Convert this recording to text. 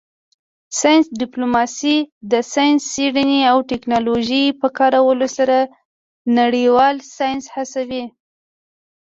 ساینس ډیپلوماسي د ساینسي څیړنې او ټیکنالوژۍ په کارولو سره نړیوال ساینس هڅوي